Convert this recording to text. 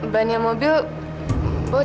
bahannya mobil bocor